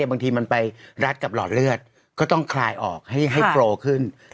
บางทีมันไปรัดกับหลอดเลือดก็ต้องคลายออกให้โปรขึ้น